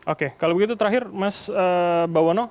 oke kalau begitu terakhir mas bawono